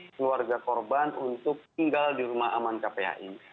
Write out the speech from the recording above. keluarga korban untuk tinggal di rumah aman kpai